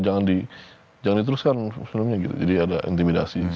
bilang yang jangan di variasikan sejauh ini gitu jadi ada intimidasi